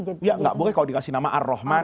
ya nggak boleh kalau dikasih nama ar rahman